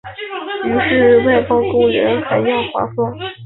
于是外包必然比起雇用工人还要划算。